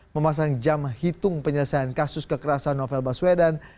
memasang jam hitung penyelesaian kasus kekerasan novel baswedan